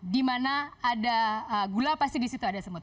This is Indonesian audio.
dimana ada gula pasti disitu ada semut